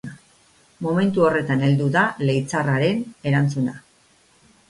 Momentu horretan heldu da leitzarraren erantzuna.